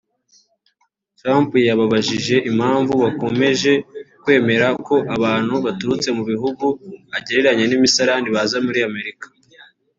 Trump yababajije impamvu bakomeje kwemera ko abantu baturuka mu bihugu agereranya n’imisarane baza muri Amerika